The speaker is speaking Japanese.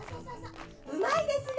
うまいですね！